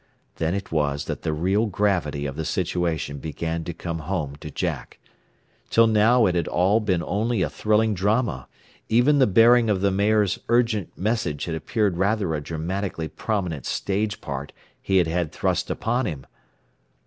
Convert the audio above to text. Then it was that the real gravity of the situation began to come home to Jack. Till now it had all been only a thrilling drama even the bearing of the mayor's urgent message had appeared rather a dramatically prominent stage part he had had thrust upon him.